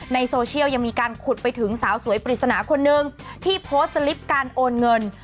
ในโซเชียลยังมีการขุดไปถึงสาวสวยปริศนาคนนึงที่โพสต์สลิปการโอนเงิน